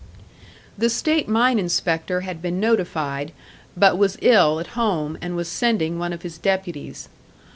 The state mine inspector had been notified, but was ill at home, and was sending one of his deputies.